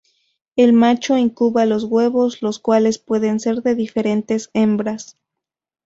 El macho incuba los huevos, los cuales pueden ser de diferentes hembras.